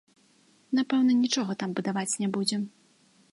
Напэўна, нічога там будаваць не будзем.